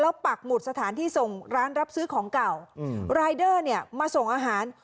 ปักหมุดสถานที่ส่งร้านรับซื้อของเก่ารายเดอร์เนี่ยมาส่งอาหาร